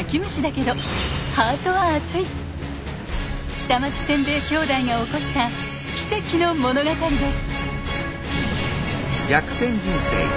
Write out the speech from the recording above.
下町せんべい兄弟が起こした奇跡の物語です。